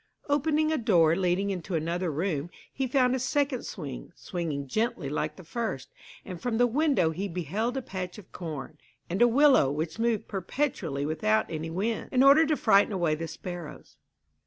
Opening a door leading into another room, he found a second swing, swinging gently like the first, and from the window he beheld a patch of corn, and a willow which moved perpetually without any wind, in order to frighten away the sparrows.